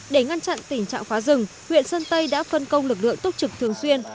để ngăn chặn tình trạng phá rừng huyện sơn tây đã phân công lực lượng túc trực thường xuyên